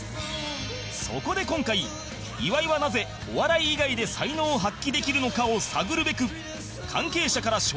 そこで今回岩井はなぜお笑い以外で才能を発揮できるのかを探るべく